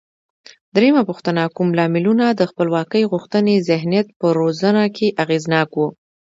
درېمه پوښتنه: کوم لاملونه د خپلواکۍ غوښتنې ذهنیت په روزنه کې اغېزناک و؟